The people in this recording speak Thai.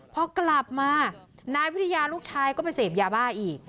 พอกลับมานายวิทยาลูกชายก็ไปเสพยาบ้าอีก